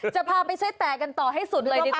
จะพาไปช่วยแตกกันต่อให้สุดเลยดีกว่า